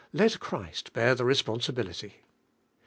Let Christ bear the responsibility."